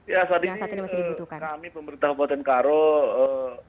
ya saat ini kami pemerintah boten karo memang sudah melakukan